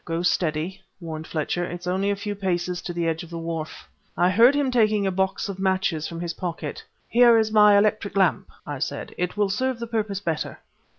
"Go steady!" warned Fletcher. "It's only a few paces to the edge of the wharf." I heard him taking a box of matches from his pocket. "Here is my electric lamp," I said. "It will serve the purpose better."